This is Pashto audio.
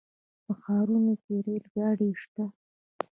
په ښارونو کې ریل ګاډي شته.